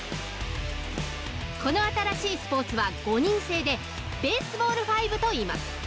この新しいスポーツは５人制で、ベースボール５といいます。